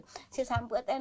erng bukan pergi per ein